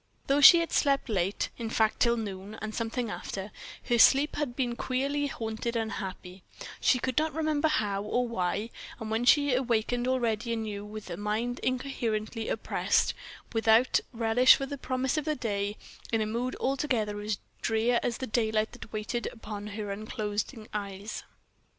Though she had slept late, in fact till noon and something after, her sleep had been queerly haunted and unhappy, she could not remember how or why, and she had awakened already ennuyé, with a mind incoherently oppressed, without relish for the promise of the day—in a mood altogether as drear as the daylight that waited upon her unclosing eyes.